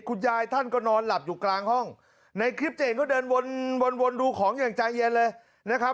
คุณยายท่านก็นอนหลับอยู่กลางห้องในคลิปจะเห็นเขาเดินวนวนดูของอย่างใจเย็นเลยนะครับ